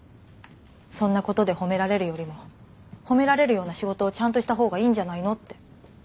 そんなことで褒められるよりも褒められるような仕事をちゃんとした方がいいんじゃないのって。